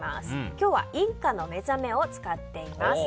今日はインカの目覚めを使っています。